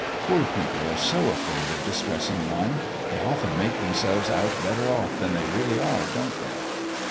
Poor people are so afraid of distressing one; they often make themselves out better off than they really are, don't they?"